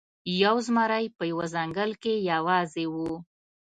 یو زمری په یوه ځنګل کې یوازې و.